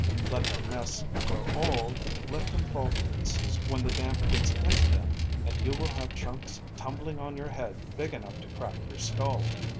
Let the nests grow old; let them fall to pieces when the damp gets into them; and you will have chunks tumbling on your head big enough to crack your skull.